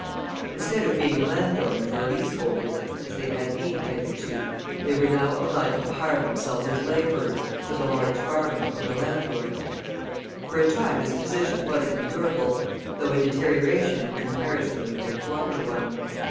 Instead of being landowners or leaseholders, as they had been hitherto, they were now obliged to hire themselves as labourers to the large farmers or the landlords. For a time this position was endurable, though a deterioration in comparison with their former one.